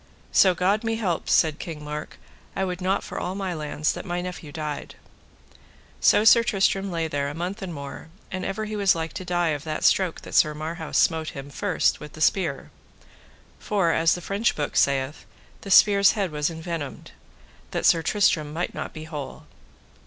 So God me help, said King Mark, I would not for all my lands that my nephew died. So Sir Tristram lay there a month and more, and ever he was like to die of that stroke that Sir Marhaus smote him first with the spear. For, as the French book saith, the spear's head was envenomed, that Sir Tristram might not be whole.